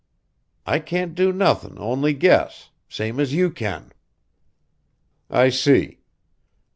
I can't do nothin' only guess same as you can." "I see!"